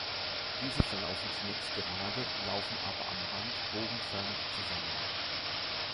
Diese verlaufen zunächst gerade, laufen aber am Rand bogenförmig zusammen.